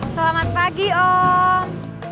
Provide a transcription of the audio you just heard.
selamat pagi om